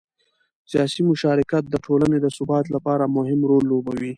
سیاسي مشارکت د ټولنې د ثبات لپاره مهم رول لوبوي